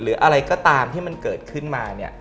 หรืออะไรก็ตามที่มันเกิดขึ้นมาเนี่ย